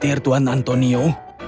tidak tuhan antonio